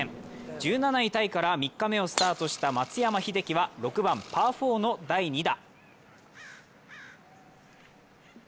１７位タイから３日目をスタートした松山英樹は６番パー４の第２打。